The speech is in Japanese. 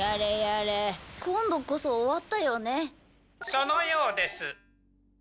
そのようです。